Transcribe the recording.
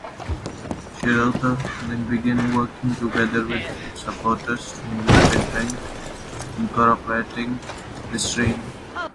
Shirota then began working together with supporters to make a drink incorporating the strain.